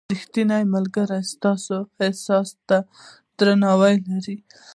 • ریښتینی ملګری ستا احساس ته درناوی لري.